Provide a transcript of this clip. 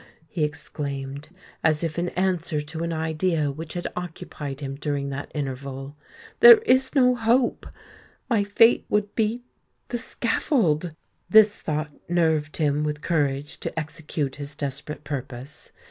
he exclaimed, as if in answer to an idea which had occupied him during that interval; "there is no hope! My fate would be——the scaffold!" This thought nerved him with courage to execute his desperate purpose.